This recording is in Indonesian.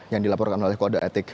yang dilaporkan oleh kode etik